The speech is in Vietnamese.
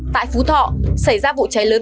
tại phú thọ xảy ra vụ cháy lớn